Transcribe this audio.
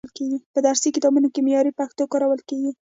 په درسي کتابونو کې معیاري پښتو کارول کیږي.